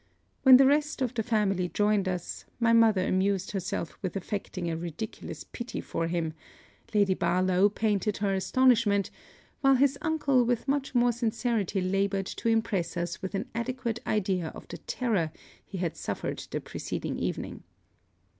When the rest of the family joined us, my mother amused herself with affecting a ridiculous pity for him, Lady Barlowe painted her astonishment, while his uncle with much more sincerity laboured to impress us with an adequate idea of the terror he had suffered the preceding evening.